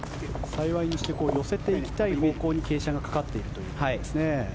幸いにして寄せていきたい方向に傾斜がかかっているということですね。